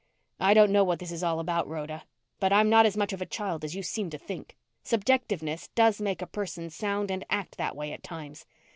"I don't know what this is all about, Rhoda, but I'm not as much of a child as you seem to think. Subjectiveness does make a person sound and act that way at times.